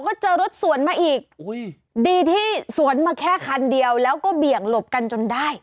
ก็เจอรถสวนมาอีกดีที่สวนมาแค่คันเดียวแล้วก็เบี่ยงหลบกันจนได้